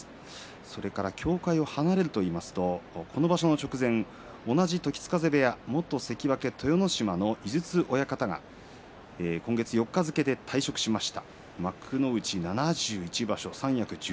それから協会を離れるといいますとこの場所の直前に同じ時津風部屋元関脇豊ノ島の井筒親方が今月４日付けで退職しました。